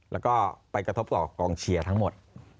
แล้วก็ไปกระทบต่อกองเชียร์ทั้งหมด